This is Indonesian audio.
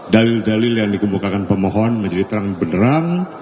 dalil dalil yang dikemukakan pemohon menjadi terang benerang